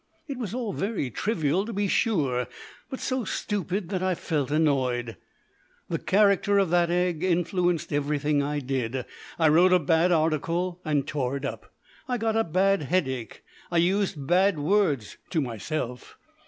It was all very trivial, to be sure, but so stupid that I felt annoyed. The character of that egg influenced everything I did. I wrote a bad article, and tore it up. I got a bad headache. I used bad words to myself.